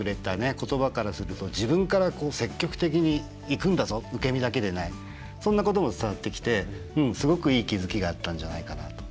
言葉からすると自分から積極的にいくんだぞ受け身だけでないそんなことも伝わってきてすごくいい気付きがあったんじゃないかなと。